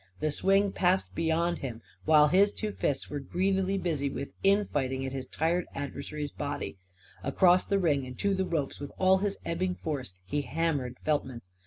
The swing passed beyond him, while his two fists were greedily busy with infighting at his tired adversary's body. Across the ring and to the ropes, with all his ebbing force, he hammered Feltman.